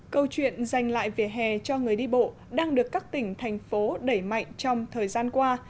câu chuyện dành lại vỉa hè cho người đi bộ đang được các tỉnh thành phố đẩy mạnh trong thời gian qua